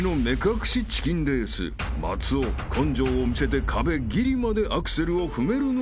［松尾根性を見せて壁ギリまでアクセルを踏めるのか？］